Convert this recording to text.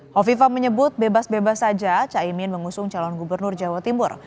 hovifa menyebut bebas bebas saja caimin mengusung calon gubernur jawa timur